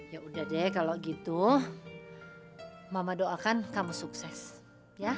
ya udah deh kalau gitu mama doakan kamu sukses ya